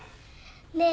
ねえ。